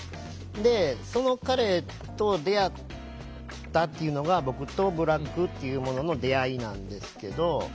でその彼と出会ったっていうのが僕と部落っていうものの出会いなんですけど。